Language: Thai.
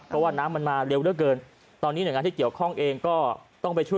แรงด้วยนะ